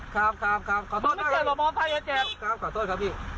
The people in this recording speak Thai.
ครับครับครับขอโทษครับมอเตอร์ไซส์อ่ะเจ็บครับขอโทษครับพี่